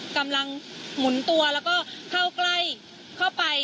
หมุนตัวแล้วก็เข้าใกล้เข้าไป